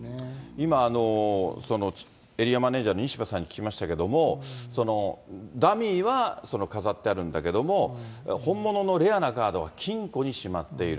今、エリアマネージャーの西部さんに聞きましたけども、ダミーは飾ってあるんだけれども、本物のレアなカードは金庫にしまっている。